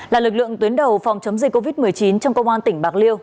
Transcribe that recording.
là lực lượng tuyến đầu phòng chống dịch covid một mươi chín trong công an tỉnh bạc liêu